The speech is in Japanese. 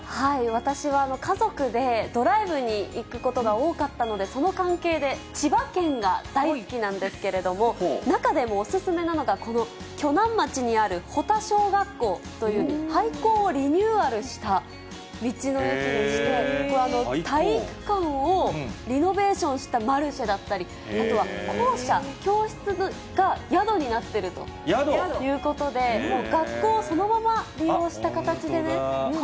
私は家族でドライブに行くことが多かったので、その関係で、千葉県が大好きなんですけれども、中でもお勧めなのが、この鋸南町にある保田小学校という廃校をリニューアルした道の駅でして、ここは体育館をリノベーションしたマルシェだったり、あとは校舎、宿？ということで、学校をそのまま利用した形でね。